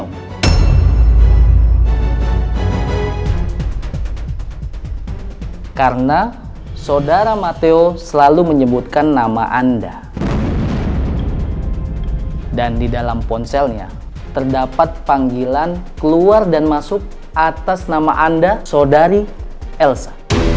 oh karena saudara mateo selalu menyebutkan nama anda dan di dalam ponselnya terdapat panggilan keluar dan masuk atas nama anda saudari elsa